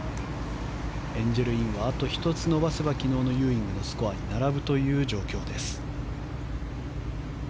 エンジェル・インはあと１つ伸ばせば昨日のユーイングのスコアに並ぶという状況です。